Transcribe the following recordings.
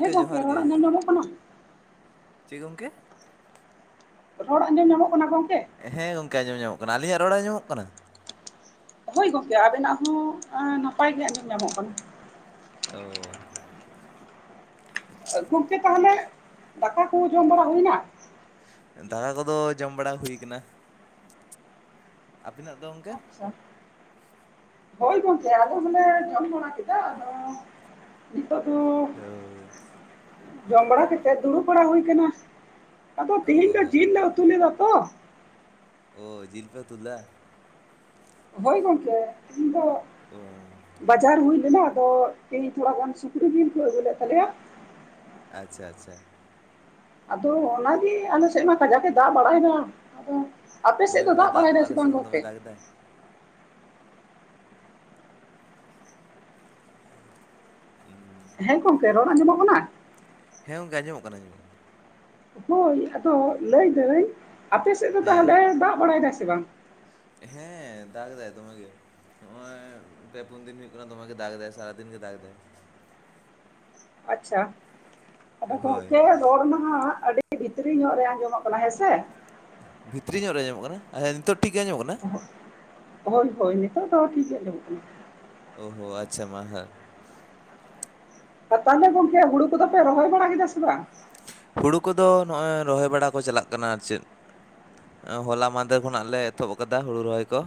ᱦᱮᱸ ᱜᱚᱝᱠᱮ ᱨᱚᱲ ᱟᱸᱡᱚᱢ ᱧᱟᱢᱚᱜ ᱠᱟᱱᱟ? ᱪᱮᱫ ᱜᱚᱝᱠᱮ? ᱨᱚᱲ ᱟᱸᱡᱚᱢ ᱧᱟᱢᱚᱜ ᱠᱟᱱᱟ ᱜᱚᱝᱠᱮ? ᱦᱮᱸ ᱜᱚᱝᱠᱮ ᱟᱸᱡᱚᱢ ᱧᱟᱢᱚᱜ ᱠᱟᱱᱟ ᱟᱹᱞᱤᱧᱟᱜ ᱨᱚᱲ ᱟᱸᱡᱚᱢᱚᱜ ᱠᱟᱱᱟ? ᱦᱳᱭ ᱜᱚᱝᱠᱮ ᱟᱵᱮᱱᱟᱜ ᱦᱚᱸ ᱮᱸ ᱱᱟᱯᱟᱭ ᱜᱮ ᱟᱸᱡᱚᱢ ᱧᱟᱢᱚᱜ ᱠᱟᱱᱟ᱾ ᱚ᱾ ᱜᱚᱢᱠᱮ ᱛᱟᱦᱚᱞᱮ ᱫᱟᱠᱟ ᱠᱚ ᱡᱚᱢ ᱵᱟᱲᱟ ᱦᱩᱭᱱᱟ? ᱫᱟᱠᱟ ᱠᱚᱫᱚ ᱡᱚᱢ ᱵᱟᱲᱟ ᱦᱩᱭ ᱠᱟᱱᱟ, ᱟᱵᱮᱱᱟᱜ ᱫᱚ ᱜᱚᱝᱠᱮ? ᱪᱷᱟ, ᱦᱳᱭ ᱜᱚᱝᱠᱮ ᱟᱞᱮ ᱦᱚᱞᱮ ᱡᱚᱢ ᱵᱟᱲᱟ ᱠᱮᱫᱟ ᱟᱫᱚ ᱱᱤᱛᱚᱜ ᱫᱚ ᱚ ᱡᱚᱢ ᱵᱟᱲᱟ ᱠᱟᱛᱮᱜ ᱫᱩᱲᱩᱵ ᱵᱟᱲᱟ ᱦᱩᱭ ᱠᱟᱱᱟ᱾ ᱟᱫᱚ ᱛᱤᱦᱤᱧ ᱫᱚ ᱚ ᱡᱤᱞ ᱞᱮ ᱩᱛᱩ ᱞᱮᱫᱟ ᱛᱚ ᱳ ᱡᱤᱞ ᱯᱮ ᱩᱛᱩ ᱞᱮᱫᱟ? ᱦᱳᱭ ᱜᱚᱝᱠᱮ ᱤᱧ ᱫᱚ ᱚ ᱵᱟᱡᱟᱨ ᱦᱩᱭ ᱞᱮᱱᱟ ᱟᱫᱚ ᱛᱤᱦᱤᱧ ᱛᱷᱚᱲᱟ ᱜᱟᱱ ᱥᱩᱠᱨᱤ ᱡᱤᱞ ᱠᱩ ᱟᱹᱜᱩ ᱞᱮᱫ ᱛᱟᱞᱮᱭᱟ᱾ ᱟᱪᱪᱷᱟ ᱟᱪᱪᱷᱟ᱾ ᱟᱫᱚ ᱚᱱᱟ ᱜᱤ ᱟᱞᱮ ᱥᱮᱫ ᱢᱟ ᱠᱟᱡᱟᱠ ᱮ ᱫᱟᱜ ᱵᱟᱲᱟᱭᱫᱟ ᱟᱫᱚ ᱟᱯᱮ ᱥᱮᱫ ᱦᱳᱭ ᱫᱚ ᱦᱳᱭ ᱫᱟᱜ ᱵᱟᱲᱟᱭ ᱢᱟ ᱮᱫᱟᱭ ᱟᱞᱮ ᱥᱮ ᱥᱮᱫ ᱵᱟᱝ ᱦᱚᱸ ᱫᱚᱢᱮ ᱜᱚᱝᱠᱮ? ᱫᱟᱜ ᱮᱫᱟᱭ ᱩᱸ ᱦᱮᱸ ᱜᱚᱝᱠᱮ ᱨᱚᱲ ᱟᱸᱡᱚᱢᱚᱜ ᱠᱟᱱᱟ? ᱦᱮᱸ ᱜᱚᱝᱠᱮ ᱟᱸᱡᱚᱢᱚᱜ ᱠᱟᱱᱟ ᱟᱸᱡᱚᱢᱚᱜ ᱦᱳᱭ ᱟᱫᱚ ᱞᱟᱹᱭ ᱫᱟᱹᱧ ᱟᱯᱮ ᱥᱮᱫ ᱫᱚ ᱦᱮᱸ ᱛᱟᱦᱚᱞᱮ ᱫᱟᱜ ᱵᱟᱲᱟᱭ ᱫᱟᱭ ᱥᱮ ᱵᱟᱝ? ᱦᱮᱸ ᱫᱟᱜ ᱮᱫᱟᱭ ᱫᱚᱢᱮ ᱜᱮ᱾ ᱱᱚᱜᱼᱚᱭ ᱯᱮ ᱯᱩᱱ ᱫᱤᱱ ᱦᱩᱭᱩᱜ ᱠᱟᱱᱟ ᱫᱚᱢᱮ ᱜᱮ ᱫᱟᱜ ᱮᱫᱟᱭ ᱥᱟᱨᱟᱫᱤᱱ ᱜᱮ ᱫᱟᱜ ᱮᱫᱟᱭ᱾ ᱟᱪᱪᱷᱟ, ᱟᱫᱚ ᱦᱳᱭ ᱜᱚᱝᱠᱮ ᱨᱚᱲ ᱢᱟ ᱦᱟᱸᱜ ᱟᱹᱰᱤ ᱵᱷᱤᱛᱨᱤ ᱧᱚᱜ ᱨᱮ ᱟᱸᱡᱚᱢᱚᱜ ᱠᱟᱱᱟ ᱦᱮᱸᱥᱮ᱾ ᱵᱷᱤᱛᱨᱤ ᱧᱚᱸᱜ ᱨᱮ ᱟᱸᱡᱚᱢᱚᱜ ᱠᱟᱱᱟ ᱟᱪᱪᱷᱟ ᱱᱤᱛᱚᱜ ᱴᱷᱤᱠ ᱜᱮ ᱟᱸᱡᱚᱢᱚᱜ ᱠᱟᱱᱟ? ᱦᱚᱭ ᱦᱚᱭ ᱱᱤᱛᱚᱜ ᱫᱚ ᱴᱷᱤᱠ ᱜᱮ ᱟᱸᱡᱚᱢᱚᱜ ᱠᱟᱱᱟ᱾ ᱚᱦᱚ ᱟᱪᱪᱷᱟ ᱢᱟ ᱦᱟᱸᱜ ᱟᱨ ᱛᱟᱦᱚᱞᱮ ᱜᱚᱝᱠᱮ ᱦᱩᱲᱩ ᱠᱚ ᱫᱚ ᱯᱮ ᱨᱚᱦᱚᱭ ᱵᱟᱲᱟ ᱠᱮᱫᱟ ᱥᱮ ᱵᱟᱝ? ᱦᱩᱲᱩ ᱠᱚᱫᱚ ᱱᱚᱜᱼᱚᱭ ᱨᱚᱦᱚᱭ ᱵᱟᱲᱟ ᱠᱚ ᱪᱟᱞᱟᱜ ᱠᱟᱱᱟ ᱟᱨ ᱪᱮᱫ᱾ ᱟ ᱦᱚᱞᱟ ᱢᱟᱱᱫᱷᱮᱨ ᱠᱷᱚᱱᱟᱜ ᱞᱮ ᱮᱛᱚᱦᱚᱵ ᱟᱠᱟᱫᱟ ᱦᱩᱲᱩ ᱨᱚᱦᱚᱭ ᱠᱚ᱾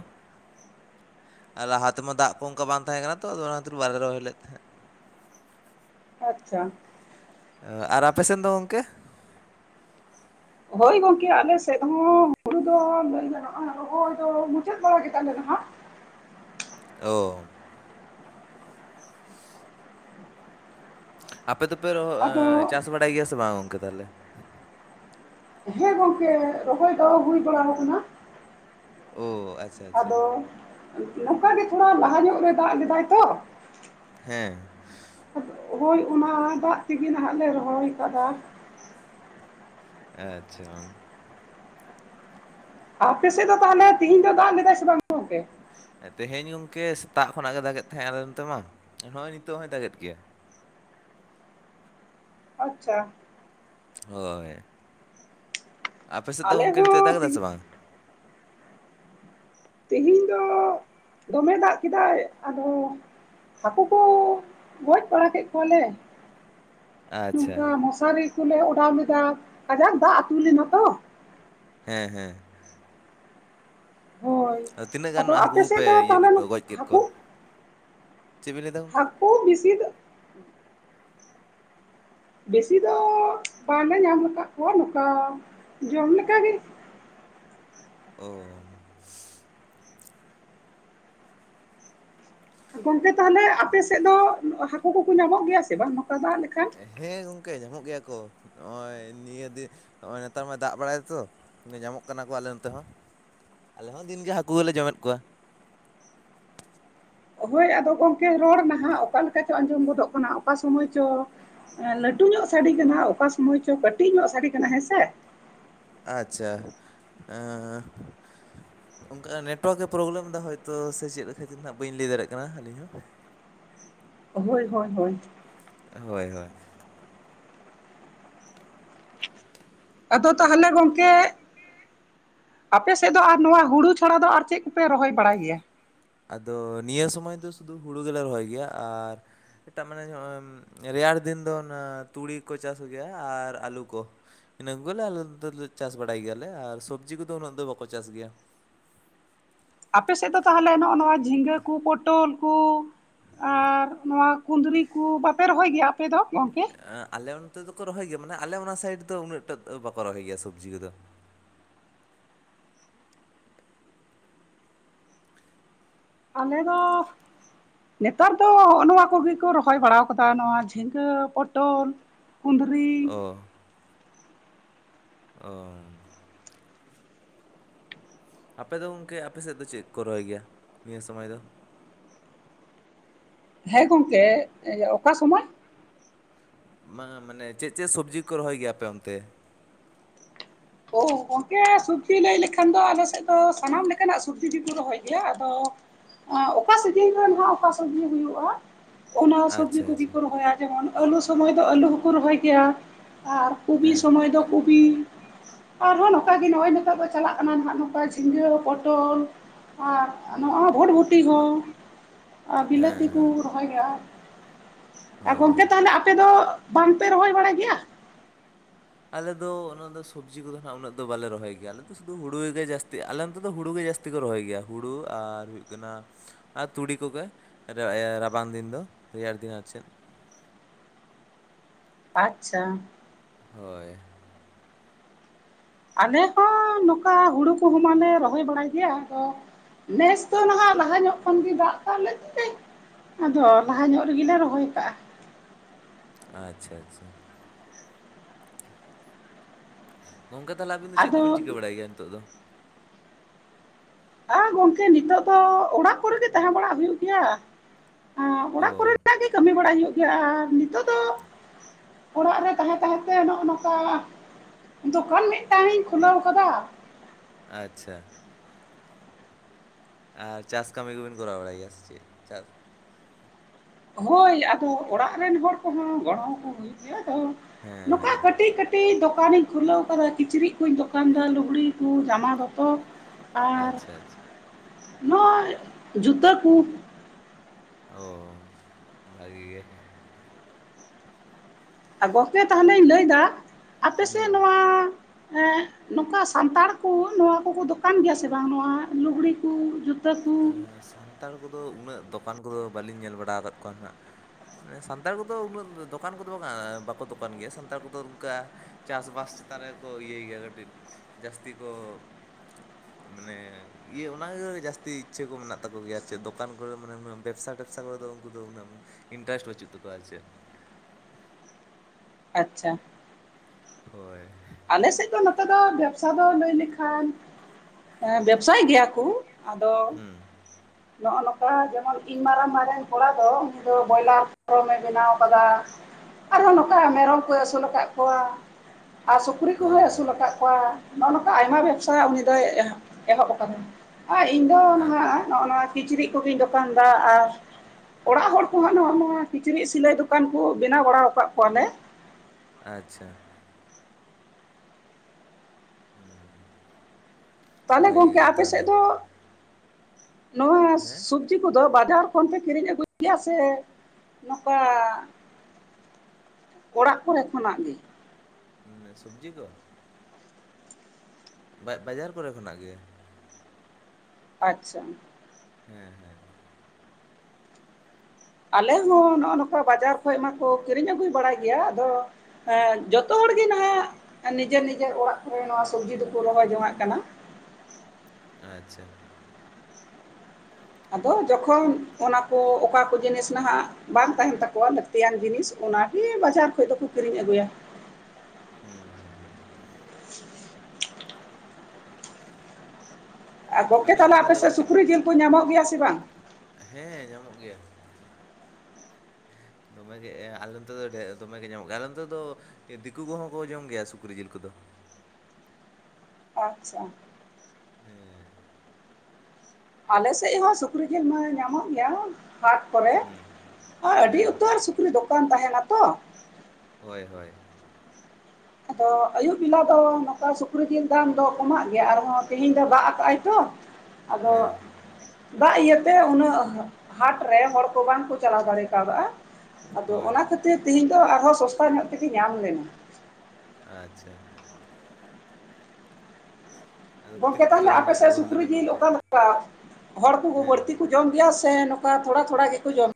ᱟᱨ ᱞᱟᱦᱟ ᱛᱮᱢᱟ ᱫᱟᱜ ᱠᱚ ᱚᱱᱠᱟ ᱵᱟᱝ ᱛᱟᱦᱮᱸ ᱠᱟᱱᱟ ᱛᱚ ᱟᱫᱚ ᱚᱱᱟ ᱛᱩᱨ ᱵᱟᱞᱮ ᱨᱚᱦᱚᱭ ᱞᱮᱫ ᱛᱟᱦᱮᱸᱫ᱾ ᱟᱪᱪᱷᱟ᱾ ᱚ ᱟᱨ ᱟᱯᱮ ᱥᱮᱱ ᱫᱚ ᱜᱚᱝᱠᱮ? ᱦᱚᱭ ᱜᱚᱝᱠᱮ ᱟᱞᱮ ᱥᱮᱫ ᱦᱚᱸ ᱦᱩᱲᱩ ᱫᱚ ᱞᱟᱹᱭ ᱜᱟᱱᱚᱜᱼᱟ ᱨᱚᱦᱚᱭ ᱫᱚ ᱢᱩᱪᱟᱹᱫ ᱵᱟᱲᱟ ᱠᱮᱫᱟᱞᱮ ᱱᱟᱦᱟᱜ᱾ ᱚ ᱟᱯᱮ ᱫᱚᱯᱮ ᱨᱚᱦ... ᱟ... ᱟᱫᱚ ᱪᱟᱥ ᱵᱟᱲᱟᱭ ᱜᱮᱭᱟ ᱥᱮ ᱵᱟᱝ ᱜᱚᱝᱠᱮ ᱛᱟᱦᱞᱮ ᱦᱮᱸ ᱜᱚᱝᱠᱮ ᱨᱚᱦᱚᱭ ᱫᱚ ᱦᱩᱭ ᱵᱟᱲᱟᱣ ᱟᱠᱟᱱᱟ ᱚ ᱟᱪᱪᱷ... ᱟᱫᱚ ᱱᱚᱸᱠᱟ ᱜᱮ ᱛᱷᱚᱲᱟ ᱞᱟᱦᱟ ᱧᱚᱜ ᱨᱮ ᱫᱟᱜ ᱞᱮᱫᱟᱭ ᱛᱚ ᱦᱮᱸ ᱟᱫᱚ ᱦᱚᱭ ᱚᱱᱟ ᱫᱟᱜ ᱛᱤᱜᱤ ᱱᱟᱦᱟᱜ ᱞᱮ ᱨᱚᱦᱚᱭ ᱟᱠᱟᱫᱟ᱾ ᱟᱪᱪᱷᱟ ᱟᱯᱮᱥᱮᱫ ᱫᱚ ᱛᱟᱦᱞᱮ ᱛᱤᱦᱤᱧ ᱫᱚ ᱫᱟᱜ ᱞᱮᱫᱟᱭ ᱥᱮ ᱵᱟᱝ ᱜᱚᱝᱠᱮ ᱛᱮᱦᱮᱧ ᱜᱚᱝᱠᱮ ᱥᱮᱛᱟᱜ ᱠᱷᱚᱱᱟᱜ ᱜᱮ ᱫᱟᱜᱮᱫ ᱛᱟᱦᱮᱸᱜ ᱟᱞᱮ ᱱᱚᱛᱮ ᱢᱟ ᱱᱚᱜ-ᱚᱭ ᱱᱤᱛᱚᱜ ᱦᱚᱸᱭ ᱫᱟᱜ ᱮᱫ ᱜᱮᱭᱟ ᱟᱪᱪᱷᱟ ᱦᱳᱭ ᱟᱯᱮ ᱥᱮᱫ ᱫᱚ ᱟᱞᱮ ᱜᱚᱝᱠᱮ ᱱᱤᱛᱳᱮ ᱫᱟᱜ ᱦᱚᱸ ᱮᱫᱟᱭ ᱥᱮ ᱛᱤᱦᱤᱧ ᱵᱟᱝ ᱛᱮᱦᱤᱧ ᱫᱚ ᱫᱚᱢᱮ ᱫᱟᱜ ᱠᱮᱫᱟᱭ ᱟᱫᱚ ᱦᱟᱹᱠᱩ ᱠᱩ ᱜᱚᱡ ᱵᱟᱲᱟ ᱠᱮᱫ ᱠᱚᱣᱟᱞᱮ ᱟᱪᱪᱷᱟ ᱱᱚᱝᱠᱟ ᱢᱚᱥᱟᱨᱤ ᱠᱚᱞᱮ ᱚᱰᱟᱣ ᱞᱮᱫᱟ ᱠᱟᱡᱟᱠ ᱫᱟᱜ ᱟᱹᱛᱩ ᱞᱮᱱᱟ ᱛᱚ ᱦᱮᱸ ᱦᱮᱸ ᱦᱳᱭ ᱟᱫᱚ ᱛᱤᱱᱟᱹᱜ ᱜᱟᱱ ᱦᱟᱹᱠᱩ ᱟᱯᱮ ᱥᱮᱫ ᱠᱩᱯᱮ ᱫᱚ ᱤᱭᱟᱹ ᱠᱮᱫ ᱛᱟᱦᱚᱞᱮ ᱠᱚᱣᱟ ᱜᱚᱡ ᱠᱮᱫ ᱠᱚᱣᱟ, ᱦᱟᱹᱠᱩ ᱪᱮᱫ ᱵᱤᱱ ᱞᱟᱹᱭ ᱮᱫᱟ ᱜᱚᱝᱠᱮ ᱚ ᱵᱤᱥᱤ ᱫᱚ ᱵᱮᱥᱤ ᱫᱚ ᱵᱟᱞᱮ ᱧᱟᱢ ᱟᱠᱟᱫ ᱠᱚᱣᱟ ᱱᱚᱠᱟ ᱡᱚᱢ ᱞᱮᱠᱟᱜᱮ᱾ ᱚ ᱜᱚᱝᱠᱮ ᱛᱟᱦᱞᱮ ᱟᱯᱮ ᱥᱮᱫ ᱫᱚ ᱦᱟᱹᱠᱩ ᱠᱚᱠᱚ ᱧᱟᱢᱚᱜ ᱜᱮᱭᱟ ᱥᱮ ᱵᱟᱝ ᱱᱚᱠᱟ ᱫᱟᱜ ᱞᱮᱠᱷᱟᱱ᱾ ᱦᱮᱸ ᱜᱚᱝᱠᱮ ᱧᱟᱢᱚᱜ ᱜᱮᱭᱟ ᱠᱚ ᱱᱚᱜ-ᱚᱭ ᱱᱤᱭᱟᱹ ᱫᱤ ᱱᱚᱜ-ᱚᱭ ᱱᱮᱛᱟᱨ ᱢᱟ ᱫᱟᱜ ᱵᱟᱲᱟᱭᱟ ᱛᱚ ᱧᱟᱢᱚᱜ ᱠᱟᱱᱟ ᱠᱚ ᱟᱞᱮ ᱱᱚᱛᱮ ᱦᱚᱸ ᱟᱞᱮ ᱦᱚᱸ ᱫᱤᱱᱜᱮ ᱦᱟᱹᱠᱩ ᱜᱮᱞᱮ ᱡᱚᱢᱮᱫ ᱠᱚᱣᱟ ᱦᱚᱭ ᱟᱫᱚ ᱜᱚᱝᱠᱮ ᱨᱚᱲ ᱱᱟᱦᱟᱜ ᱚᱠᱟ ᱞᱮᱠᱟ ᱪᱚᱸ ᱟᱸᱡᱚᱢ ᱜᱚᱫᱚᱜ ᱠᱟᱱᱟ ᱚᱠᱟ ᱥᱚᱢᱚᱭ ᱪᱚᱸ ᱞᱟᱹᱴᱩ ᱧᱚᱜ ᱥᱟᱰᱤ ᱠᱟᱱᱟ ᱚᱠᱟ ᱥᱩᱢᱚᱭ ᱪᱚᱸ ᱠᱟᱹᱴᱤᱡ ᱧᱚᱜ ᱥᱟᱰᱤ ᱠᱟᱱᱟ ᱦᱮᱸ ᱥᱮ ᱟᱪᱪᱷᱟ ᱮᱸᱻ ᱚᱝᱠᱟ ᱱᱮᱴᱣᱟᱨᱠ ᱮ ᱯᱨᱚᱵᱞᱮᱢ ᱮᱫᱟ ᱦᱟᱭᱛᱚ ᱥᱮ ᱪᱮᱫ ᱠᱷᱟᱹᱛᱤᱨ ᱦᱟᱜ ᱵᱟᱹᱧ ᱞᱟᱹᱭ ᱫᱟᱲᱮᱜ ᱠᱟᱱᱟ ᱟᱹᱞᱤᱧ ᱦᱚᱸ ᱦᱳᱭ ᱦᱳᱭ ᱦᱳᱭ ᱦᱳᱭ ᱦᱳᱭᱼᱼ ᱟᱫᱚ ᱛᱟᱦᱞᱮ ᱜᱚᱝᱠᱮᱼᱼ ᱟᱯᱮ ᱥᱮᱫ ᱫᱚ ᱟᱨ ᱱᱚᱣᱟ ᱦᱩᱲᱩ ᱪᱷᱟᱲᱟ ᱫᱚ ᱟᱨ ᱪᱮᱫ ᱠᱚ ᱯᱮ ᱨᱚᱦᱚᱭ ᱵᱟᱲᱟᱭ ᱜᱮᱭᱟ ᱟᱫᱚ ᱱᱤᱭᱟᱹ ᱥᱚᱢᱚᱭ ᱫᱚ ᱥᱩᱫᱩ ᱦᱩᱲᱩ ᱜᱮᱞᱮ ᱨᱚᱦᱚᱭ ᱜᱮᱭᱟ ᱟᱨᱼᱼ ᱮᱴᱟᱜ ᱢᱟᱱᱮ ᱱᱚᱜᱼᱚᱭ ᱨᱮᱭᱟᱲ ᱫᱤᱱ ᱫᱚ ᱚᱱᱟ ᱛᱩᱲᱤ ᱠᱚ ᱪᱟᱥ ᱜᱮᱭᱟ ᱟᱨ ᱟᱹᱞᱩ ᱠᱚᱼᱼ ᱤᱱᱟᱹ ᱠᱚ ᱜᱮᱞᱮ ᱟᱞᱮ ᱫᱚᱞᱮ ᱪᱟᱥ ᱵᱟᱲᱟᱭ ᱜᱮᱭᱟᱞᱮ ᱟᱨ ᱥᱚᱵᱽᱡᱤ ᱠᱚ ᱫᱚ ᱩᱱᱟᱹᱜ ᱫᱚ ᱵᱟᱠᱚ ᱪᱟᱥ ᱜᱮᱭᱟ ᱟᱯᱮ ᱥᱮᱫ ᱫᱚ ᱛᱟᱦᱟᱞᱮ ᱱᱚᱜ-ᱚ ᱱᱚᱣᱟ ᱡᱷᱤᱸᱜᱟᱹ ᱠᱩ ᱯᱚᱴᱚᱞ ᱠᱩᱼᱼ ᱟᱨ ᱱᱚᱣᱟ ᱠᱩᱸᱫᱽᱨᱤ ᱠᱩ ᱵᱟᱯᱮ ᱨᱚᱦᱚᱭ ᱜᱮᱭᱟ ᱟᱯᱮ ᱫᱚ ᱜᱚᱝᱠᱮᱼᱼ ᱟᱞᱮ ᱚᱱᱛᱮ ᱫᱚ ᱠᱚ ᱨᱚᱦᱚᱭ ᱜᱮᱭᱟ ᱢᱟᱱᱮ ᱟᱞᱮ ᱚᱱᱟ ᱥᱟᱭᱤᱰ ᱫᱚ ᱩᱱᱟᱹᱜ ᱴᱟᱜ ᱫᱚ ᱵᱟᱠᱚ ᱨᱚᱦᱚᱭ ᱜᱮᱭᱟ ᱥᱚᱵᱽᱡᱤ ᱠᱚ ᱫᱚ᱾ ᱟᱞᱮ ᱫᱚᱼᱼ ᱱᱮᱛᱟᱨ ᱫᱚ ᱦᱚᱸᱜ ᱱᱚᱣᱟ ᱠᱚ ᱜᱮ ᱠᱚ ᱨᱚᱦᱚᱭ ᱵᱟᱲᱟᱣ ᱠᱟᱫᱟ ᱱᱚᱣᱟ ᱡᱷᱤᱸᱜᱟᱹ ᱯᱚᱴᱚᱞ ᱠᱩᱸᱫᱽᱨᱤᱼᱼ ᱚᱻ ᱚᱻ ᱟᱯᱮ ᱫᱚ ᱜᱚᱝᱠᱮ ᱟᱯᱮ ᱥᱮᱫ ᱫᱚ ᱪᱮᱫ ᱠᱚ ᱨᱚᱦᱚᱭ ᱜᱮᱭᱟ ᱱᱤᱭᱟᱹ ᱥᱚᱢᱚᱭ ᱫᱚᱼᱼ ᱦᱮᱸ ᱜᱚᱝᱠᱮ ᱚᱠᱟ ᱥᱚᱢᱚᱭᱼᱼ ᱵᱟᱝᱼᱟ ᱢᱟᱱᱮ ᱪᱮᱫ ᱪᱮᱫ ᱥᱚᱵᱽᱡᱤ ᱠᱚ ᱨᱚᱦᱚᱭ ᱜᱮᱭᱟ ᱟᱯᱮ ᱚᱱᱛᱮ? ᱳ ᱜᱚᱝᱠᱮ ᱥᱚᱵᱽᱡᱤ ᱞᱟᱹᱭ ᱞᱮᱠᱷᱟᱱ ᱫᱚ ᱟᱞᱮ ᱥᱮᱫ ᱫᱚ ᱥᱟᱱᱟᱢ ᱞᱮᱠᱟᱱᱟᱜ ᱥᱚᱵᱽᱡᱤ ᱜᱮ ᱠᱚ ᱨᱚᱦᱚᱭ ᱜᱮᱭᱟ ᱟᱫᱚᱼᱼ ᱮᱸ ᱚᱠᱟ ᱥᱤᱡᱤᱱ ᱨᱮ ᱱᱟᱦᱟᱜ ᱚᱠᱟ ᱥᱚᱵᱽᱡᱤ ᱦᱩᱭᱩᱜ-ᱟ ᱚᱱᱟ ᱥᱚᱵᱽᱡᱤ ᱟᱪᱪᱷᱟ ᱠᱚᱜᱤ ᱟᱪᱪᱷᱟ ᱠᱚ ᱨᱚᱦᱚᱭᱟ ᱡᱮᱢᱚᱱ ᱟᱹᱞᱩ ᱥᱚᱢᱚᱭ ᱫᱚ ᱟᱹᱞᱩ ᱦᱩᱠᱩ ᱨᱚᱦᱚᱭ ᱜᱮᱭᱟ ᱟᱨᱼᱼ ᱠᱩᱯᱤ ᱦᱮᱸ ᱥᱚᱢᱚᱭ ᱫᱚ ᱠᱩᱯᱤᱼᱼ ᱟᱨ ᱦᱚᱸ ᱱᱚᱝᱠᱟᱜᱤ ᱱᱚᱜ-ᱚᱭ ᱱᱤᱛᱚᱜ ᱫᱚ ᱪᱟᱞᱟᱜ ᱠᱟᱱᱟ ᱱᱟᱜ ᱱᱚᱠᱟ ᱡᱷᱤᱸᱜᱟᱹ ᱯᱚᱴᱚᱞ ᱟᱨᱼᱼ ᱱᱚᱣᱟ ᱵᱷᱳᱴ ᱵᱷᱚᱴᱤ ᱦᱚᱸ ᱦᱮᱸ ᱵᱤᱞᱟᱹᱛᱤ ᱠᱚ ᱦᱮᱸ ᱨᱚᱦᱚᱭ ᱜᱮᱭᱟ ᱜᱚᱝᱠᱮ ᱚ ᱛᱟᱦᱞᱮ ᱟᱯᱮ ᱫᱚ ᱵᱟᱝ ᱯᱮ ᱨᱚᱦᱚᱭ ᱵᱟᱲᱟᱭ ᱜᱮᱭᱟ ᱟᱞᱮ ᱫᱚ ᱚᱱᱟ ᱫᱚ ᱥᱚᱵᱽᱡᱤ ᱠᱚ ᱫᱚ ᱦᱟᱸᱜ ᱩᱱᱟᱹᱜ ᱫᱚ ᱵᱟᱞᱮ ᱨᱚᱦᱚᱭ ᱜᱮᱭᱟ ᱟᱞᱮ ᱫᱚ ᱥᱩᱫᱩ ᱦᱩᱲᱩ ᱜᱮ ᱡᱟᱹᱥᱛᱤ ᱟᱞᱮ ᱚᱱᱛᱮ ᱫᱚ ᱦᱩᱲᱩ ᱜᱮ ᱡᱟᱹᱥᱛᱤᱼᱼ ᱡᱟᱹᱥᱛᱤ ᱠᱚ ᱨᱚᱦᱚᱭ ᱜᱮᱭᱟ ᱦᱩᱲᱩ ᱟᱨ ᱦᱩᱭᱩᱜ ᱠᱟᱱᱟ ᱟᱨ ᱛᱩᱲᱤ ᱠᱚ ᱜᱮ ᱨᱟᱵᱟᱝ ᱫᱤᱱ ᱫᱚ ᱨᱮᱭᱟᱲ ᱫᱤᱱ ᱟᱨ ᱪᱮᱫᱼᱼ ᱟᱪᱪᱷᱟ ᱦᱳᱭ ᱟᱞᱮ ᱦᱚᱸ ᱱᱚᱝᱠᱟ ᱦᱩᱲᱩ ᱠᱚ ᱦᱚᱸ ᱢᱟᱞᱮ ᱨᱚᱦᱚᱭ ᱵᱟᱲᱟᱭ ᱜᱮᱭᱟ ᱟᱫᱚᱼᱼ ᱱᱮᱥ ᱫᱚ ᱱᱟᱦᱟᱜ ᱞᱟᱦᱟ ᱧᱚᱜ ᱠᱷᱚᱱ ᱜᱮ ᱫᱟᱜ ᱠᱟᱜ ᱞᱮᱛᱮᱼᱼ ᱟᱫᱚ ᱞᱟᱦᱟ ᱧᱚᱜ ᱨᱮ ᱜᱮᱞᱮ ᱨᱚᱦᱚᱭ ᱠᱟᱜᱼᱟ ᱟᱪᱪᱷᱟ ᱟᱪᱪᱷᱟ ᱜᱚᱝᱠᱮ ᱛᱟᱦᱚᱞᱮ ᱟᱹᱵᱤᱱ ᱫᱚ ᱪᱮᱫ ᱠᱚ ᱟᱫᱚ ᱵᱤᱱ ᱪᱤᱠᱟᱹ ᱵᱟᱲᱟᱭ ᱜᱮᱭᱟ ᱱᱤᱛᱚᱜ ᱫᱚᱼᱼ ᱟ ᱜᱚᱢᱠᱮ ᱱᱤᱛᱚᱜ ᱫᱚ ᱚᱲᱟᱜ ᱠᱚ ᱨᱮ ᱜᱮ ᱛᱟᱦᱮᱸ ᱵᱟᱲᱟ ᱦᱩᱭᱩᱜ ᱜᱮᱭᱟ ᱚ ᱚᱲᱟᱜ ᱠᱚ ᱨᱮᱱᱟᱜ ᱜᱮ ᱠᱟᱹᱢᱤ ᱵᱟᱲᱟᱭ ᱦᱩᱭᱩᱜ ᱜᱮᱭᱟ ᱟᱨ ᱱᱤᱛᱳ ᱫᱚᱼᱼ [inaudible] ᱚᱲᱟᱜ ᱨᱮ ᱛᱟᱦᱮᱸ ᱛᱟᱦᱮᱸ ᱛᱮ ᱱᱚᱜᱼᱚ ᱱᱚᱝᱠᱟ ᱫᱚᱠᱟᱱ ᱢᱤᱫᱴᱟᱝ ᱤᱧ ᱠᱷᱩᱞᱟᱹᱣ ᱟᱠᱟᱫᱟ ᱟᱪᱪᱷᱟ ᱟᱨ ᱪᱟᱥ ᱠᱟᱹᱢᱤ ᱠᱚ ᱵᱤᱱ ᱠᱚᱨᱟᱣ ᱵᱟᱲᱟᱭ ᱜᱮᱭᱟ ᱥᱮᱪᱮᱫ ᱪᱟᱥᱼᱼ ᱦᱳᱭ ᱟᱫᱚ ᱚᱲᱟᱜ ᱨᱮᱱ ᱦᱚᱲ ᱠᱚ ᱦᱚᱸ ᱜᱚᱲᱚ ᱟᱠᱚ ᱦᱩᱭᱩᱜ ᱜᱮᱭᱟ ᱟᱫᱚ ᱦᱮᱸ ᱱᱚᱠᱟ ᱦᱮᱸ ᱠᱟᱹᱴᱤᱡ ᱠᱟᱹᱴᱤᱡᱼᱼ ᱠᱟᱹᱴᱤᱡ ᱠᱟᱱᱤᱧ ᱠᱷᱩᱞᱟᱹᱣ ᱟᱠᱟᱫᱟ ᱠᱤᱪᱨᱤᱡ ᱠᱩᱧ ᱫᱚᱠᱟᱱ ᱫᱟ ᱞᱩᱜᱽᱲᱤ ᱠᱚ ᱡᱟᱢᱟ ᱫᱚᱛᱚᱼᱼ ᱟᱨ ᱟᱪᱪᱷᱟ ᱟᱪᱪᱷᱟ ᱱᱚᱜᱼᱚᱭ ᱡᱩᱛᱟᱹ ᱠᱚᱼᱼ ᱚ ᱵᱷᱟᱜᱤ ᱜᱮᱼᱼ ᱜᱚᱝᱠᱮ ᱛᱟᱦᱚᱞᱮᱧ ᱞᱟᱹᱭ ᱮᱫᱟ ᱟᱯᱮ ᱥᱮᱫ ᱱᱚᱣᱟᱼᱼ ᱦᱮᱸ ᱱᱚᱝᱠᱟ ᱥᱟᱱᱛᱟᱲ ᱠᱩ ᱱᱚᱣᱟ ᱠᱚ ᱠᱚ ᱫᱚᱠᱟᱱ ᱜᱮᱭᱟ ᱥᱮ ᱵᱟᱝ ᱱᱚᱣᱟ ᱞᱩᱜᱽᱲᱤ ᱠᱚᱼᱼ ᱥᱟᱱᱛᱟᱲ ᱠᱚ ᱫᱚ ᱩᱱᱟᱹᱜ ᱫᱚᱠᱟᱱ ᱠᱚ ᱫᱚ ᱵᱟᱹᱞᱤᱧ ᱧᱮᱞ ᱵᱟᱲᱟ ᱟᱠᱟᱫ ᱠᱚᱣᱟ ᱦᱟᱸᱜᱼᱼ ᱥᱟᱱᱛᱟᱲ ᱠᱚ ᱫᱚ ᱩᱱᱟᱹᱜ ᱫᱚᱠᱟᱱ ᱠᱚ ᱫᱚ ᱵᱟᱝ ᱵᱟᱠᱚ ᱫᱚᱠᱟᱱ ᱜᱮᱭᱟ ᱥᱟᱱᱛᱟᱲ ᱠᱚ ᱫᱚ ᱚᱱᱠᱟᱼᱼ ᱪᱟᱥᱼᱵᱟᱥ ᱪᱮᱛᱟᱱ ᱨᱮ ᱠᱚ ᱤᱭᱟᱹᱭ ᱜᱮᱭᱟ ᱠᱟᱹᱴᱤᱡ ᱡᱟᱹᱥᱛᱤ ᱠᱚᱼᱼ ᱢᱟᱱᱮ ᱤᱭᱟᱹ ᱚᱱᱟᱜᱮ ᱡᱟᱹᱥᱛᱤ ᱛᱤ ᱤᱪᱪᱷᱟᱹ ᱠᱚ ᱢᱮᱱᱟᱜ ᱛᱟᱠᱚ ᱜᱮᱭᱟ ᱟᱨ ᱪᱮᱫ ᱫᱚᱠᱟᱱ ᱠᱚᱨᱮ ᱢᱟᱱᱮ ᱩᱱᱟᱹᱜ ᱵᱮᱵᱽᱥᱟ ᱴᱮᱵᱽᱥᱟ ᱠᱚᱨᱮ ᱫᱚ ᱩᱱᱠᱩ ᱫᱚ ᱩᱱᱟᱹᱜ ᱤᱱᱴᱟᱨᱮᱥᱴ ᱵᱟᱪᱩᱜ ᱛᱟᱠᱚᱣᱟ ᱟᱨ ᱪᱮᱫ ᱟᱪᱪᱷᱟ ᱦᱳᱭ ᱟᱞᱮᱥᱮᱫ ᱫᱚ ᱱᱚᱛᱮ ᱫᱚ ᱵᱮᱵᱥᱟ ᱫᱚ ᱞᱟᱹᱭ ᱞᱮᱠᱷᱟᱱ ᱵᱮᱵᱥᱟᱭ ᱜᱮᱭᱟ ᱠᱚ ᱟᱫᱚ ᱦᱩᱸ ᱱᱚᱜᱼᱚ ᱱᱚᱠᱟ ᱡᱮᱢᱚᱱ ᱤᱧ ᱢᱟᱨᱟᱝ ᱵᱟ ᱨᱮᱱ ᱠᱚᱲᱟ ᱫᱚ ᱩᱱᱤ ᱫᱚ ᱵᱚᱭᱞᱟᱨ ᱯᱨᱚᱢᱮ ᱵᱮᱱᱟᱣ ᱟᱠᱟᱫᱟ ᱟᱨᱦᱚᱸ ᱱᱚᱠᱟ ᱢᱮᱨᱚᱢ ᱠᱚ ᱟᱹᱥᱩᱞ ᱟᱠᱟᱜ ᱠᱚᱣᱟ ᱟᱨ ᱥᱩᱠᱨᱤ ᱠᱚᱦᱚᱸᱭ ᱦᱳᱭ ᱟᱹᱥᱩᱞ ᱦᱳᱭ ᱟᱠᱟᱫ ᱠᱚᱣᱟ ᱱᱚᱜᱼᱚ ᱱᱚᱝᱠᱟ ᱟᱭᱢᱟ ᱵᱮᱵᱥᱟ ᱩᱱᱤ ᱫᱚᱭ ᱮᱦᱚᱵ ᱟᱠᱟᱫᱟ ᱟᱨ ᱤᱧᱫᱚ ᱟᱜ ᱱᱟᱦᱟᱜ ᱱᱚᱜᱼᱚ ᱱᱚᱣᱟ ᱠᱤᱪᱨᱤᱪ ᱠᱚᱜᱮᱧ ᱫᱚᱠᱟᱱ ᱫᱟ ᱟᱨ ᱚᱲᱟᱜ ᱦᱚᱲ ᱠᱚᱦᱚᱸ ᱱᱚᱜ ᱱᱚᱣᱟ ᱠᱤᱪᱨᱤᱡ ᱥᱤᱞᱟᱹᱭ ᱫᱚᱠᱟᱱ ᱠᱚ ᱵᱮᱱᱟᱣ ᱵᱟᱲᱟ ᱟᱠᱟᱫ ᱠᱚᱣᱟᱞᱮ ᱟᱪᱪᱷᱟ ᱦᱩᱸ ᱛᱟᱦᱚᱞᱮ ᱵᱷᱟᱹᱜᱤ ᱜᱚᱝᱠᱮ ᱜᱮᱛᱚ ᱟᱯᱮ ᱥᱮᱫ ᱛᱟᱦᱚᱞᱮ ᱫᱚ ᱱᱚᱣᱟ ᱦᱮᱸ ᱥᱚᱵᱡᱤ ᱠᱚᱫᱚ ᱵᱟᱡᱟᱨ ᱠᱷᱚᱱ ᱯᱮ ᱠᱤᱨᱤᱧ ᱟᱹᱜᱩᱭ ᱜᱮᱭᱟ ᱥᱮ ᱱᱚᱠᱟ ᱚᱲᱟᱜ ᱠᱚᱨᱮ ᱠᱷᱚᱱᱟᱜ ᱜᱮ ᱩᱸ ᱥᱚᱵᱡᱤ ᱠᱚ ᱵᱟ ᱵᱟᱡᱟᱨ ᱠᱚᱨᱮ ᱠᱷᱚᱱᱟᱜ ᱜᱮ ᱟᱪᱪᱷᱟ ᱦᱮᱸ ᱦᱮᱸ ᱟᱞᱮ ᱦᱚᱸ ᱱᱚᱜᱼᱚ ᱱᱚᱠᱟ ᱵᱟᱡᱟᱨ ᱠᱷᱚᱡ ᱢᱟᱠᱚ ᱠᱤᱨᱤᱧ ᱟᱹᱜᱩ ᱵᱟᱲᱟᱭ ᱜᱮᱭᱟ ᱟᱫᱚ ᱡᱚᱛᱚ ᱦᱚᱲᱜᱮ ᱱᱟᱦᱟᱜ ᱱᱤᱡᱮᱨ ᱱᱤᱡᱮᱨ ᱚᱲᱟᱜ ᱠᱚᱨᱮ ᱱᱚᱣᱟ ᱥᱚᱵᱡᱤ ᱫᱚᱠᱚ ᱨᱚᱦᱚᱭ ᱡᱚᱱᱟᱜ ᱠᱟᱱᱟ ᱟᱪᱪᱷᱟ ᱟᱫᱚ ᱡᱚᱠᱷᱚᱱ ᱚᱱᱟᱠᱚ ᱚᱠᱟ ᱠᱚ ᱡᱤᱱᱤᱥ ᱱᱟᱦᱟᱜ ᱵᱟᱝ ᱛᱟᱦᱮᱱ ᱛᱟᱠᱚᱣᱟ ᱞᱟᱹᱠᱛᱤᱭᱟᱱ ᱡᱤᱱᱤᱥ ᱚᱱᱟᱜᱮ ᱵᱟᱡᱟᱨ ᱠᱷᱚᱡ ᱫᱚᱠᱚ ᱠᱤᱨᱤᱧ ᱟᱹᱜᱩᱭᱟ ᱦᱩᱸ ᱦᱩᱸ ᱟᱨ ᱜᱚᱝᱠᱮ ᱟᱹᱵᱤᱱ ᱛᱟᱦᱚᱞᱮ ᱫᱚ ᱟᱯᱮᱥᱮᱫ ᱜᱚᱝᱠᱮ ᱥᱩᱠᱨᱤ ᱡᱤᱞ ᱠᱚ ᱧᱟᱢᱚᱜ ᱜᱮᱭᱟ ᱥᱮ ᱵᱟᱝ। ᱦᱮᱸ ᱧᱟᱢᱚᱜ ᱜᱮᱭᱟ। [inaudible] ᱫᱚᱢᱮᱜᱮ ᱟᱞᱮ ᱱᱚᱛᱮ ᱫᱚ ᱫᱚᱢᱮᱜᱮ ᱧᱟᱢᱚᱜ ᱜᱮᱭᱟ ᱟᱞᱮ ᱚᱱᱛᱮ ᱫᱚ ᱫᱤᱠᱩ ᱠᱚᱦᱚᱸ ᱠᱚ ᱡᱚᱢ ᱜᱮᱭᱟ ᱥᱩᱠᱨᱤ ᱡᱤᱞ ᱠᱚᱫᱚ। ᱟᱪᱪᱷᱟ ᱦᱮᱸ ᱟᱞᱮᱥᱮᱫ ᱦᱚᱸ ᱥᱩᱠᱨᱤ ᱡᱤᱞ ᱢᱟ ᱧᱟᱢᱚᱜ ᱜᱮᱭᱟ ᱦᱟᱴ ᱠᱚᱨᱮ ᱦᱩᱸ ᱟᱨ ᱟᱹᱰᱤ ᱦᱮᱸ ᱩᱛᱟᱹᱨ ᱥᱩᱠ। ᱥᱩᱠᱨᱤ ᱫᱚᱠᱟᱱ ᱛᱟᱦᱮᱸ ᱱᱟᱛᱚ। ᱦᱳᱭ ᱦᱳᱭ ᱟᱫᱚ ᱟᱭᱩᱵ ᱵᱮᱞᱟ ᱫᱚ ᱱᱚᱠᱟ ᱥᱩᱠᱨᱤ ᱡᱤᱞ ᱫᱟᱢ ᱫᱚ ᱠᱚᱢᱟᱜ ᱜᱮᱭᱟ ᱟᱨᱦᱚᱸ ᱛᱮᱦᱤᱧ ᱫᱚ ᱫᱟᱜ ᱠᱟᱜᱼᱟᱭ ᱛᱚ। ᱟᱫᱚ ᱦᱮᱸ ᱫᱟᱜ ᱤᱭᱟᱹᱛᱮ ᱩᱱᱟᱹᱜ ᱦᱟᱴᱨᱮ ᱦᱚᱲᱠᱚ ᱵᱟᱝᱠᱩ ᱪᱟᱞᱟᱣ ᱫᱟᱲᱮ ᱠᱟᱣᱫᱟᱜᱼᱟ। ᱟᱫᱚ ᱦᱳᱭ ᱚᱱᱟ ᱠᱷᱟᱹᱛᱤᱨ ᱛᱤᱦᱤᱧ ᱫᱚ ᱟᱨᱦᱚᱸ ᱥᱚᱥᱛᱟ ᱧᱚᱜ ᱛᱮᱜᱮ ᱧᱟᱢ ᱞᱮᱱᱟ। ᱟᱪᱪᱷᱟ ᱟᱫᱚ ᱜᱚᱝᱠᱮ ᱛᱤᱱᱟᱹᱜ ᱠᱤᱞᱳ ᱛᱟᱦᱚᱞᱮ ᱜᱟᱱ ᱟᱯᱮ ᱥᱮᱫ ᱟᱹᱜᱩ ᱞᱮᱫᱟ ᱥᱩᱠᱨᱤ ᱵᱤᱱ ᱡᱤᱞ ᱜᱚᱝᱠᱮ ᱚᱠᱟ ᱞᱮᱠᱟ। ᱠᱚᱣᱟ ᱦᱚᱲ ᱠᱚᱠᱚ ᱦᱮᱸ ᱵᱟᱹᱲᱛᱤ ᱠᱚ ᱡᱚᱢ ᱜᱮᱭᱟ ᱥᱮ ᱱᱚᱠᱟ ᱛᱷᱚᱲᱟ ᱛᱷᱚᱲᱟ ᱜᱮᱠᱚ ᱡᱚᱢ ᱾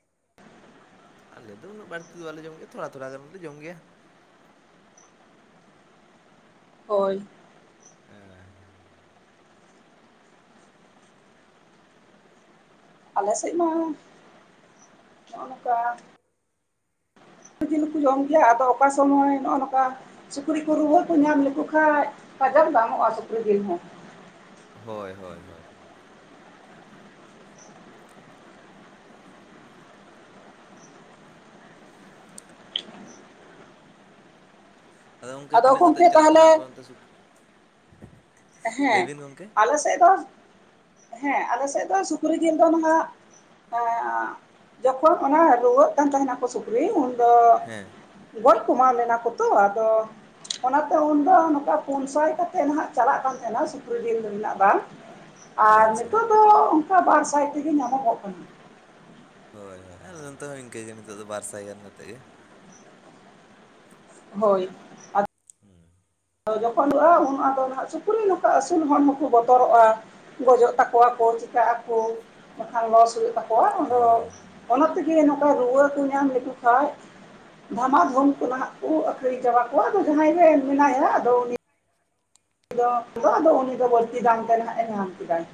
ᱟᱞᱮ ᱫᱚ ᱩᱱᱟᱹᱜ ᱵᱟᱹᱲᱛᱤ ᱫᱚ ᱵᱟᱞᱮ ᱡᱚᱢ ᱜᱮᱭᱟ ᱛᱷᱚᱲᱟ ᱛᱷᱚᱲᱟ ᱜᱟᱱᱞᱮ ᱡᱚᱢ ᱜᱮᱭᱟ। ᱦᱳᱭ ᱮᱸᱻ ᱟᱞᱮ ᱥᱮᱫ ᱢᱟ ᱱᱚᱜᱼᱚ ᱱᱚᱠᱟ [unintelligible] ᱫᱤᱱ ᱦᱚᱸ ᱠᱚ ᱡᱚᱢ ᱜᱮᱭᱟ ᱟᱫᱚ ᱚᱠᱟ ᱥᱚᱢᱚᱭ ᱱᱚᱜᱼᱚ ᱱᱚᱠᱟ ᱥᱩᱠᱨᱤ ᱠᱚ ᱨᱩᱣᱟᱹ ᱠᱚ ᱧᱟᱢ ᱞᱮᱠᱚ ᱠᱷᱟᱡ ᱵᱟᱡᱟᱨ ᱫᱟᱢᱚᱜᱼᱟ ᱥᱩᱠᱨᱤ ᱡᱤᱞ ᱦᱚᱸ। ᱦᱳᱭ ᱦᱳᱭ ᱦᱳᱭ ᱟᱫᱚ ᱜᱚᱝᱠᱮ ᱛᱤᱱᱟᱹᱜ ᱠᱟᱛᱮᱫ ᱪᱟᱞᱟᱜ ᱠᱟᱱᱟ ᱟᱯᱮ ᱚᱱᱛᱮ [unintelligible] ᱞᱟᱹᱭ ᱦᱮᱸ ᱵᱤᱱ ᱜᱚᱝᱠᱮ ᱟᱞᱮ ᱥᱮᱫ ᱫᱚ ᱦᱮᱸ ᱟᱞᱮᱥᱮᱫ ᱫᱚ ᱥᱩᱠᱨᱤ ᱡᱤᱞ ᱫᱚ ᱱᱟᱦᱟᱜ ᱮᱸ ᱡᱚᱠᱷᱚᱱ ᱚᱱᱟ ᱨᱩᱣᱟᱹᱜ ᱠᱟᱱ ᱛᱟᱦᱮᱱᱟᱠᱚ ᱥᱩᱠᱨᱤ ᱩᱱᱫᱚ ᱦᱮᱸ ᱜᱚᱡ ᱠᱚᱢᱟᱣ ᱞᱮᱱᱟ ᱠᱚ ᱛᱚ ᱟᱫᱚ ᱚᱱᱟᱛᱮ ᱩᱱᱫᱚ ᱱᱚᱝᱠᱟ ᱯᱩᱱᱥᱟᱭ ᱠᱟᱛᱮ ᱱᱟᱦᱟᱜ ᱪᱟᱞᱟᱜ ᱠᱟᱱ ᱛᱟᱦᱮᱸᱱᱟ ᱥᱩᱠᱨᱤ ᱡᱤᱞ ᱨᱮᱱᱟᱜ ᱫᱟᱢ ᱟᱨ ᱟᱪᱪᱷᱟ ᱱᱤᱛᱚᱜ ᱫᱚ ᱚᱱᱠᱟ ᱵᱟᱨ ᱥᱟᱭ ᱛᱮᱜᱮ ᱧᱟᱢᱚᱜᱚᱜ ᱠᱟᱱᱟ। ᱦᱳᱭ ᱦᱳᱭ ᱟᱞᱮ ᱱᱚᱛᱮ ᱦᱚᱸ ᱤᱱᱠᱟᱹᱜᱮ ᱱᱤᱛᱚᱜ ᱫᱚ ᱵᱟᱨ ᱥᱟᱭ ᱜᱟᱱ ᱠᱟᱛᱮᱜ ᱜᱮ। ᱦᱳᱭ ᱦᱩᱸ [unintelligible] ᱡᱚᱠᱷᱚᱱᱚᱜᱼᱟ ᱩᱱ ᱟᱫᱚ ᱱᱟᱦᱟᱜ ᱥᱩᱠᱨᱤ ᱱᱚᱝᱠᱟ ᱟᱹᱥᱩᱞ ᱦᱚᱲ ᱦᱚᱸᱠᱚ ᱵᱚᱛᱚᱨᱚᱜᱼᱟ। ᱜᱚᱡᱚᱜ ᱛᱟᱠᱚᱣᱟᱠᱚ ᱪᱤᱠᱟᱹᱜ ᱟᱠᱚ ᱵᱟᱠᱷᱟᱱ ᱞᱚᱥ ᱦᱩᱭᱩᱜ ᱛᱟᱠᱚᱣᱟ ᱟᱫᱚ ᱦᱳᱭ ᱚᱱᱟ ᱛᱮᱜᱮ ᱱᱚᱠᱟ ᱨᱩᱣᱟᱹ ᱠᱚ ᱧᱟᱢ ᱞᱮᱠᱚ ᱠᱷᱟᱡ ᱫᱷᱟᱢᱟ ᱫᱷᱚᱢ ᱠᱚ ᱱᱟᱦᱟᱜ ᱠᱚ ᱟᱠᱷᱨᱤᱧ ᱪᱟᱵᱟ ᱠᱚᱣᱟ ᱟᱫᱚ ᱡᱟᱦᱟᱸᱭ ᱜᱮ ᱢᱮᱱᱟᱭᱟ ᱟᱫᱚ ᱩᱱᱤ ᱩᱱᱤ ᱫᱚ ᱟᱫᱚ ᱟᱫᱚ ᱩᱱᱤ ᱫᱚ ᱵᱟᱹᱲᱛᱤ ᱫᱟᱢ ᱛᱮ ᱱᱟᱦᱟᱜ ᱮ ᱧᱟᱢ ᱠᱮᱫᱟᱭ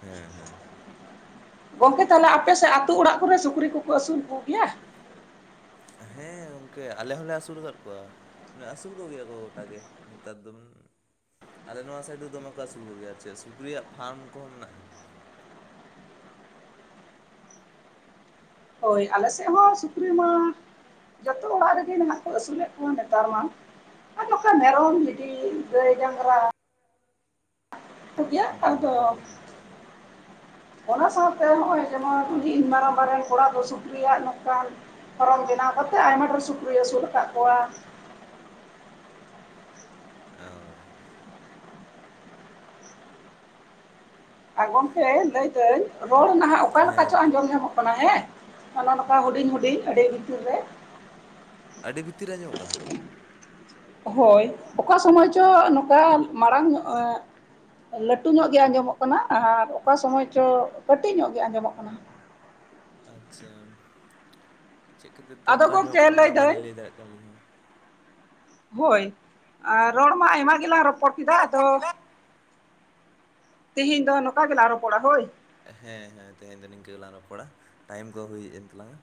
ᱦᱮᱸ ᱦᱮᱸ ᱜᱚᱝᱠᱮ ᱛᱟᱦᱚᱞᱮ ᱟᱯᱮᱥᱮᱫ ᱟᱛᱳ ᱚᱲᱟᱜ ᱠᱚᱨᱮ ᱥᱩᱠᱨᱤ ᱠᱚᱠᱚ ᱟᱹᱥᱩᱞ ᱠᱚᱜᱮᱭᱟ? ᱦᱮᱸ ᱜᱚᱝᱠᱮ ᱟᱞᱮ ᱦᱚᱸᱞᱮ ᱟᱹᱥᱩᱞ ᱟᱠᱟᱫ ᱠᱚᱣᱟ। ᱢᱟᱱᱮ ᱟᱹᱥᱩᱞ ᱠᱚᱜᱮᱭᱟ ᱠᱚ ᱜᱚᱴᱟᱜᱮ ᱱᱮᱛᱟᱨ [unintelligible] ᱟᱞᱮ ᱱᱚᱣᱟ ᱥᱟᱭᱤᱰ ᱨᱮᱫᱚ ᱱᱚᱠᱟ ᱟᱥᱩᱞ ᱠᱚᱜᱮᱭᱟ ᱟᱨ ᱪᱮᱫ ᱥᱩᱠᱨᱤᱭᱟᱜ ᱯᱷᱟᱨᱢ ᱠᱚᱦᱚᱸ ᱢᱮᱱᱟᱜᱼᱟ। ᱦᱳᱭ ᱟᱞᱮ ᱥᱮ ᱦᱚᱸ ᱥᱩᱠᱨᱤ ᱢᱟ ᱡᱚᱛᱚ ᱚᱲᱟᱜ ᱨᱮᱜᱮ ᱢᱮᱱᱟᱜ ᱠᱚ ᱟᱹᱥᱩᱞᱮᱫ ᱠᱚᱣᱟ ᱱᱮᱛᱟᱨ ᱢᱟ। ᱚᱠᱟ ᱡᱚᱠᱷᱟᱱ ᱢᱮᱨᱚᱢ ᱵᱷᱤᱰᱤ ᱜᱟᱹᱭ ᱰᱟᱝᱨᱟ [unintelligible] ᱠᱚᱜᱮᱭᱟ ᱟᱫᱚ ᱦᱩᱸ ᱚᱱᱟ ᱥᱟᱶ ᱛᱮ ᱦᱚᱸᱜᱼᱚᱭ ᱡᱮᱢᱚᱱ ᱚ [unintelligible] ᱢᱟᱨᱟᱝ ᱢᱟᱨᱟᱝ ᱦᱚᱲᱟᱜ ᱫᱚ ᱥᱩᱠᱨᱤᱭᱟᱜ ᱱᱚᱝᱠᱟᱱ ᱫᱷᱚᱨᱚᱢ ᱵᱮᱱᱟᱣ ᱠᱟᱛᱮᱫ ᱟᱭᱢᱟ ᱰᱷᱮᱨ ᱥᱩᱠᱨᱤ ᱟᱹᱥᱩᱞ ᱟᱠᱟᱫ ᱠᱚᱣᱟ ᱚ ᱟᱨ ᱜᱚᱝᱠᱮ ᱞᱟᱹᱭᱫᱟᱹᱧ ᱨᱚᱲ ᱱᱟᱦᱟᱜ ᱚᱠᱟ ᱦᱮᱸ ᱞᱮᱠᱟ ᱪᱚ ᱜᱚᱝᱠᱮ ᱟᱸᱡᱚᱢ ᱧᱟᱢᱚᱜ ᱠᱟᱱᱟ ᱦᱮᱸ, ᱚᱱᱮ ᱱᱚᱝᱠᱟ ᱦᱩᱰᱤᱧ ᱦᱩᱰᱤᱧ ᱟᱹᱰᱤ ᱵᱷᱤᱛᱤᱨ ᱨᱮ ᱟᱹᱰᱤ ᱵᱷᱤᱛᱤᱨ ᱟᱸᱡᱚᱢᱚᱜ ᱠᱟᱱᱟ? ᱦᱳᱭ ᱚᱠᱟ ᱥᱚᱢᱚᱭ ᱪᱚ ᱱᱚᱝᱠᱟ ᱢᱟᱲᱟᱝ ᱞᱟᱹᱴᱩ ᱧᱚᱜ ᱜᱮ ᱟᱸᱡᱚᱢᱚᱜ ᱠᱟᱱᱟ ᱟᱨ ᱚᱠᱟ ᱥᱚᱢᱚᱭ ᱪᱚ ᱠᱟᱹᱴᱤᱡ ᱧᱚᱜ ᱜᱮ ᱟᱸᱡᱚᱢᱚᱜ ᱠᱟᱱᱟ ᱟᱪᱪᱷᱟ ᱪᱮᱫ ᱠᱷᱟᱹᱛᱤᱨ ᱛᱮ ᱟᱫᱚ ᱚᱱᱠᱟ ᱜᱚᱢᱠᱮ ᱟᱸᱡᱚᱢᱚᱜ ᱠᱟᱱᱟ ᱞᱟᱹᱭᱫᱟᱹᱧ ᱵᱟᱹᱞᱤᱧ ᱞᱟᱹᱭ ᱫᱟᱲᱮᱭᱟᱜ ᱠᱟᱱᱟ ᱟᱹᱞᱤᱧ ᱦᱚᱸ ᱦᱳᱭ, ᱨᱚᱲᱢᱟ ᱟᱭᱢᱟ ᱜᱮᱞᱟᱝ ᱨᱚᱯᱚᱲ ᱠᱮᱫᱟ ᱟᱫᱚ ᱛᱤᱦᱤᱧ ᱫᱚ ᱱᱚᱝᱠᱟ ᱜᱮᱞᱮ ᱨᱚᱯᱚᱲᱟ ᱦᱳᱭ ᱦᱮᱸ ᱦᱮᱸ ᱛᱮᱦᱮᱧ ᱫᱚ ᱱᱤᱝᱠᱟᱹ ᱜᱮᱞᱟᱝ ᱨᱚᱯᱚᱲᱟ ᱴᱟᱭᱤᱢ ᱠᱚ ᱦᱩᱭ ᱮᱱ ᱛᱟᱞᱟᱝᱟ᱾